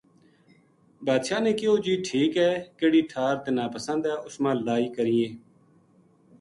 بادشاہ نے کہیو جی ٹھیک ہے کِہڑی ٹھار تنا پسند ہے اُس ما لڑائی کرینے